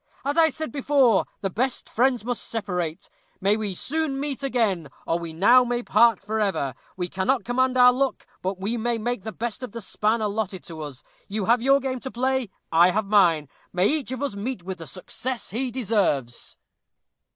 "As I said before, the best friends must separate. We may soon meet again, or we now may part forever. We cannot command our luck; but we can make the best of the span allotted to us. You have your game to play. I have mine. May each of us meet with the success he deserves."